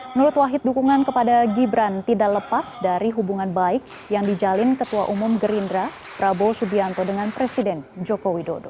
menurut wahid dukungan kepada gibran tidak lepas dari hubungan baik yang dijalin ketua umum gerindra prabowo subianto dengan presiden joko widodo